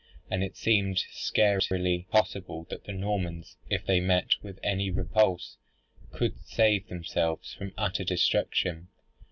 And it seemed scarcely possible that the Normans, if they met with any repulse, could save themselves from utter destruction.